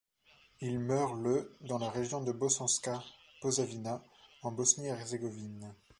Il meurt le dans la région de Bosanska Posavina en Bosnie-Herzégovine.